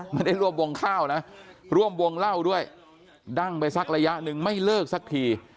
ไม่ได้ร่วมวงข้าวนะร่วมวงเล่าด้วยดั้งไปสักระยะหนึ่งไม่เลิกสักที